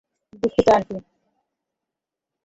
দুঃখিত, আন্টি।